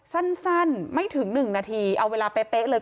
สั้นสั้นไม่ถึงหนึ่งนาทีเอาเวลาเป๊ะเป๊ะเลย